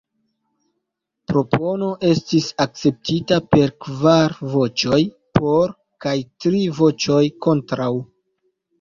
Propono estis akceptita per kvar voĉoj "por" kaj tri voĉoj "kontraŭ".